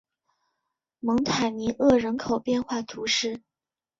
蒙塔尼厄人口变化图示